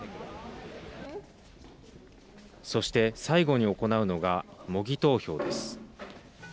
そして最後に行うのが模擬投票です。